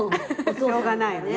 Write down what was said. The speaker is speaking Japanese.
しょうがないね。